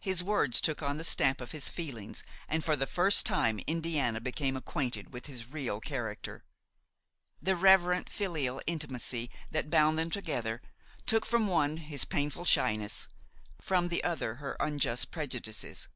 His words took on the stamp of his feelings and for the first time Indiana became acquainted with his real character. The reverent, filial intimacy that bound them together took from the one his painful shyness, from the other her unjust prejudices.